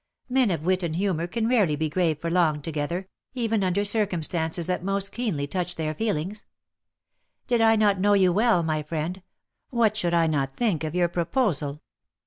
Men of wit and humour can rarely be grave for long together, even under circumstances that most keenly touch their feelings ; did I not know you well, my friend, what should I not think of your proposal?